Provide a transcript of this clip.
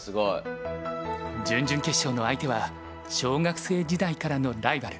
準々決勝の相手は小学生時代からのライバル